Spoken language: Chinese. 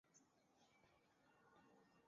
本鱼分布于西南大西洋区的巴西海域。